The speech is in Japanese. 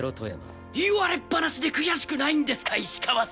言われっぱなしで悔しくないんですか石川さん。